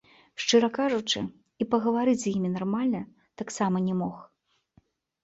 Шчыра кажучы, і пагаварыць з імі нармальна таксама не мог.